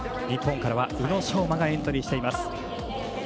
日本からは宇野昌磨がエントリーしています。